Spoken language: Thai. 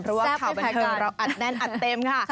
เพราะว่าข่าวบันเทิงเราอัดแน่นอัดเต็มค่ะ